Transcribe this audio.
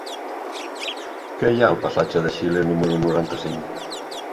Què hi ha al passatge de Xile número noranta-cinc?